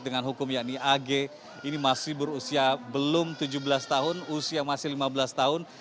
dengan hukum yakni ag ini masih berusia belum tujuh belas tahun usia masih lima belas tahun